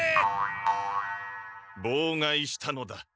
ぼうがいしたのだ。